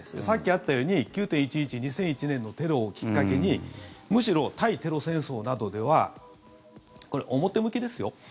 さっきあったように、９・１１２００１年のテロをきっかけにむしろ対テロ戦争などではこれ、表向きですよ。